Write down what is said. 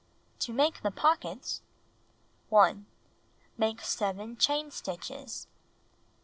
To Make the Pockets 1. Make 7 chain stitches.